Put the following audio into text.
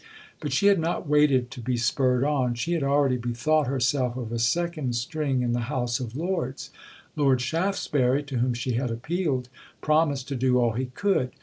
But she had not waited to be spurred on. She had already bethought herself of a second string in the House of Lords. Lord Shaftesbury, to whom she had appealed, promised to do all he could.